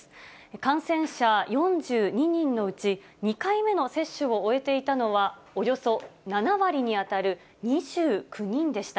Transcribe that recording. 感染者４２人のうち、２回目の接種を終えていたのは、およそ７割に当たる２９人でした。